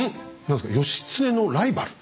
何ですか義経のライバル？